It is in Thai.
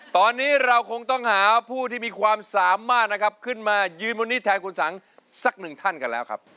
ตอนนี้เราคงต้องหาผู้ที่มีความสามารถนะครับขึ้นมายืนบนนี้แทนคุณสังสักหนึ่งท่านกันแล้วครับ